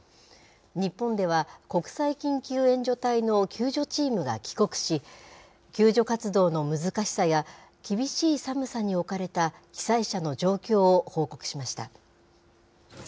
日本では国際緊急援助隊の救助チームが帰国し、救助活動の難しさや、厳しい寒さに置かれた被災者の状況を報告しました。